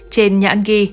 trên nhãn ghi